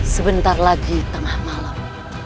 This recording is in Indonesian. sebentar lagi tengah malam